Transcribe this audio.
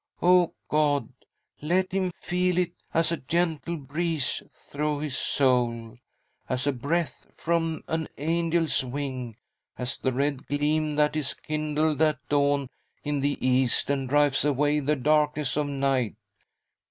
Oh, God ! let him feel it as a gentle breeze through his soul, as the breath from an angel's wing, as the red gleam that is kindled at dawn in the east and drives away the darkness of night.